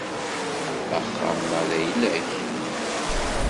Axxam-a d ayla-k?